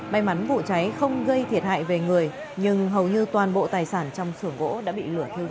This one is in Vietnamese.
may mắn vụ cháy không gây thiệt hại về người nhưng hầu như toàn bộ tài sản trong sưởng gỗ đã bị lửa thiêu dụi